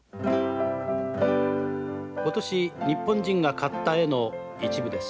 「今年日本人が買った絵の一部です」。